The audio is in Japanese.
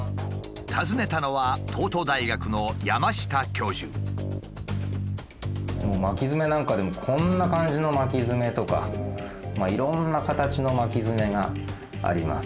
訪ねたのは巻きヅメなんかでもこんな感じの巻きヅメとかいろんな形の巻きヅメがあります。